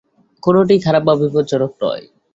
কোনটিই খারাপ বা বিপজ্জনক নয়।